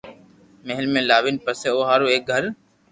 مھل ۾ لاوين پسي او ھارو ايڪ گھر